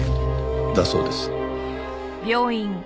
だそうです。